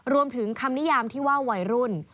รวมถึงคำนิยามที่ว่าวัยรุ่น